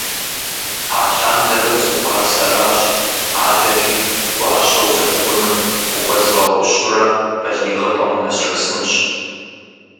Алъандэрэ узыпӀар сэращ, адэкӀи гуащэ узэрыхъуным ухуэзгъэӀущурэ балигъыпӀэм унэсшэсынщ.